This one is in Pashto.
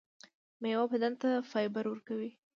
میوه بدن ته فایبر ورکوي